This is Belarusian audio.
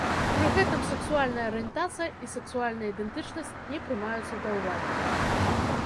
Пры гэтым сексуальная арыентацыя і сексуальная ідэнтычнасць не прымаюцца да ўвагі.